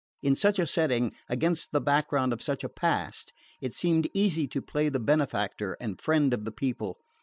In such a setting, against the background of such a past, it seemed easy to play the benefactor and friend of the people.